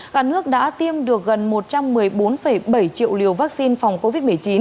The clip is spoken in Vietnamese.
cả nước đã tiêm được gần một trăm một mươi bốn bảy triệu liều vaccine phòng covid một mươi chín